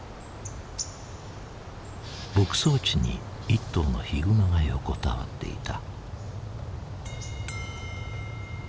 牧草地に一頭のヒグマが横たわっていた。